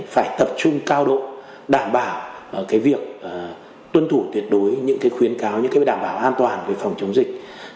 phải tập trung cao độ đảm bảo cái việc tuân thủ tuyệt đối những cái khuyến cáo những cái đảm bảo an toàn về phòng chống dịch